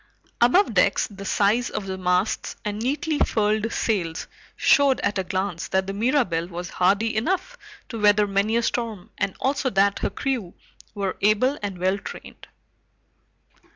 Above decks, the size of the masts and neatly furled sails showed at a glance that the Mirabelle was hardy enough to weather many a storm, and also that her crew were able and well trained.